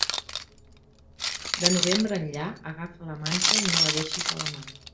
De novembre enllà, agafa la manta i no la deixes de la mà.